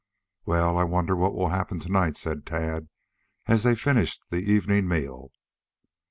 "Well, I wonder what will happen to night," said Tad, as they finished the evening meal.